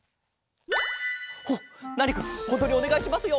おっナーニくんほんとにおねがいしますよ。